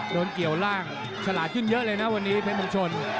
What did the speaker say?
โดนเกี่ยวล่างฉลาดขึ้นเยอะเลยนะวันนี้เพชรมงชน